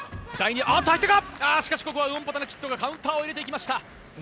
しかしここはウオンパタナキットがカウンターを入れていきました。